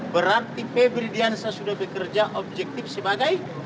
berarti febri diansa sudah bekerja objektif sebagai